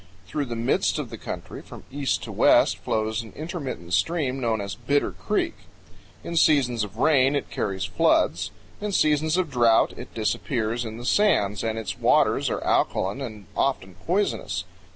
Through the midst of the country, from east to west, flows an intermittent stream known as Bitter Creek. In seasons of rain it carries floods; in seasons of drought it disappears in the sands, and its waters are alkaline and often poisonous.